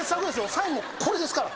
サインもこれですから。